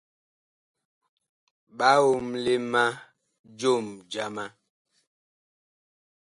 Ɓa omle ma jom jama.